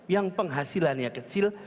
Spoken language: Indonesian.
yang penghasilannya kecil